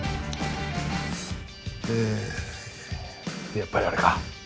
でやっぱりあれか？